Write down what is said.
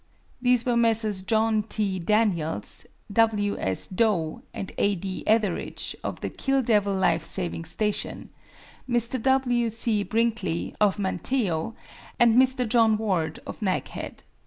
These were Messrs. John T. Daniels, W. S. Dough, and A. D. Etheridge, of the Kill Devil Life Saving Station; Mr. W. C. Brinkley, of Manteo; and Mr. John Ward, of Naghead.